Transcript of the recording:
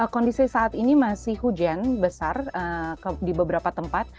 kondisi saat ini masih hujan besar di beberapa tempat